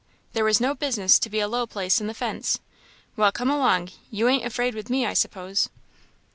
There was no business to be a low place in the fence! Well come along! you ain't afraid with me, I suppose."